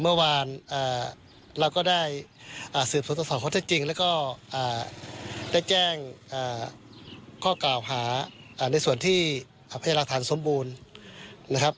เมื่อวานเราก็ได้สืบศูนย์ตัวสอนเขาที่จริงและได้แจ้งข้อเกลาหาในส่วนที่ภายลักษณ์ทานสมบูรณ์